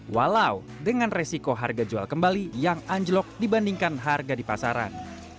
walau dengan resiko harga jual kembali yang anjlok dibandingkan harga di pasaran